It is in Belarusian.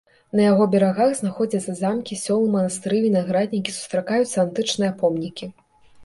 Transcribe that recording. На яго берагах знаходзяцца замкі, сёлы, манастыры, вінаграднікі, сустракаюцца антычныя помнікі.